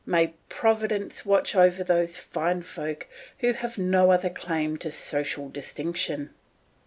May Providence watch over those fine folk who have no other claim to social distinction.